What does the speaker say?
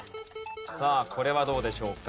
さあこれはどうでしょうか？